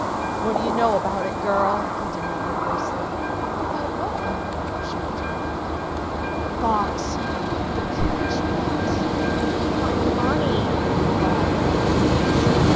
"What do you know about it, girl?" he demanded, hoarsely. "About what, Uncle?" she returned. "The box the cash box my money!" he cried, in a low voice.